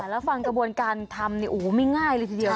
แล้วฟังกระบวนการทำไม่ง่ายเลยทีเดียว